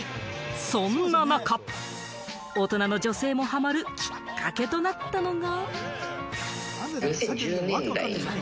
そんな中、大人の女性もハマるきっかけとなったのが。